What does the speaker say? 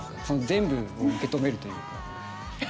全部を受け止めるというか。